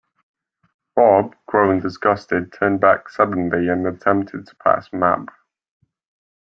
Bob, growing disgusted, turned back suddenly and attempted to pass Mab.